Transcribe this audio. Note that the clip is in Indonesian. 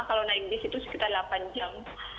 kalau naik di situ sekitar delapan jam